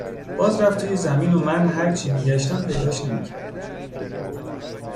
باز رفت توی زمین و من هرچی میگشتم پیداش نمیکردم